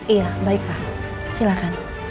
iya baik pak silahkan